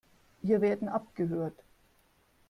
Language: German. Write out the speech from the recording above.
Wir werden abgehört.